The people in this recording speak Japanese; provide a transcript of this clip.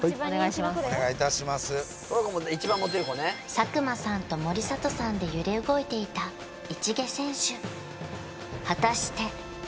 佐久間さんと森里さんで揺れ動いていた市毛選手果たして？